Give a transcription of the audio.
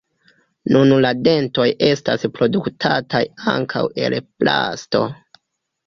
Nun la dentoj estas produktataj ankaŭ el plasto.